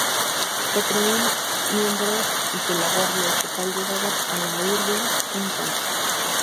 Cuatro mil miembros de la guardia estatal llegaban a la urbe en tanquetas.